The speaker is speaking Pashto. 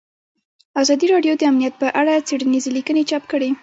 ازادي راډیو د امنیت په اړه څېړنیزې لیکنې چاپ کړي.